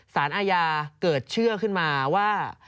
สารอาญาเกิดเชื่อขึ้นมาว่า